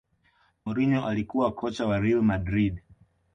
mourinho alikuwa kocha wa real madrid